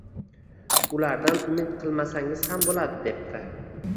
Ulardan umid qilmasangiz ham bo‘ladi, debdi